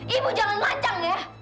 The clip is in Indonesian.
ibu jangan lancar ya